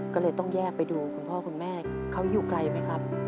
ก็เลยต้องแยกไปดูคุณพ่อคุณแม่เขาอยู่ไกลไหมครับ